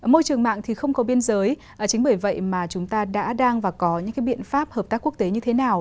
môi trường mạng thì không có biên giới chính bởi vậy mà chúng ta đã đang và có những biện pháp hợp tác quốc tế như thế nào